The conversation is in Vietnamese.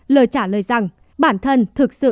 l trả lời rằng bản thân thực sự rất sốc